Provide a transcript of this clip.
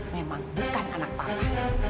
memang bukan anak papa